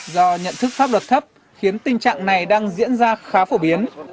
do nhận thức pháp luật thấp khiến tình trạng này đang diễn ra khá phổ biến